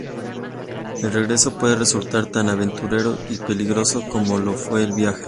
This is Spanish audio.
El regreso puede resultar tan aventurero y peligroso como lo fue el viaje.